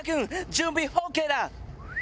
準備ＯＫだ。